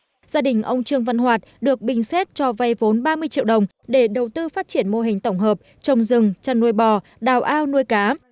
gia đình ông trương văn hoạt được bình xét cho vay vốn ba mươi triệu đồng để đầu tư phát triển mô hình tổng hợp trồng rừng chăn nuôi bò đào ao nuôi cá